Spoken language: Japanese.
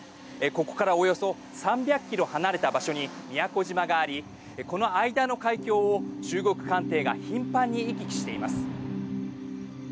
ここからおよそ３００ｋｍ離れた場所に宮古島があり、この間の海峡を中国艦艇が頻繁に行き来しています。